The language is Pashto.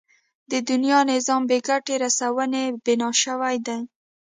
د دنيا نظام په ګټې رسونې بنا شوی دی.